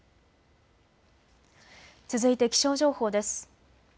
続いて気象情報です。